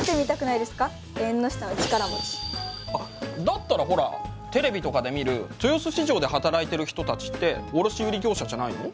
だったらほらテレビとかで見る豊洲市場で働いてる人たちって卸売業者じゃないの？